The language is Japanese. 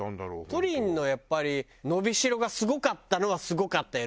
プリンのやっぱり伸びしろがすごかったのはすごかったよね多分ね。